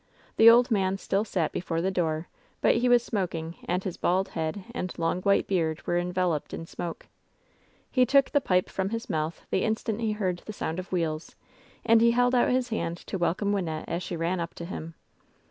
The old man still sat before the door; but he was smoking, and his bald head and long white beard were enveloped in smoke. He took the pipe from his mouth the instant he heard the sound of wheels and he held out his hand to welcome Wynnette as she ran up to him.